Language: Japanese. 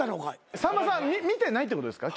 さんまさん見てないってことですか？